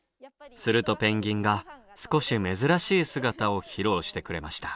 するとペンギンが少し珍しい姿を披露してくれました。